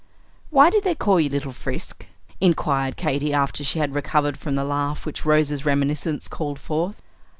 '" "Why did they call you Little Frisk?" inquired Katy, after she had recovered from the laugh which Rose's reminiscences called forth.